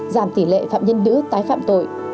giảm tỷ lệ phạm nhân nữ tái phạm tội